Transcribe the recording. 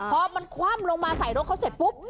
พอมันคว่ำลงมาใส่รถเขาเสร็จปุ๊บ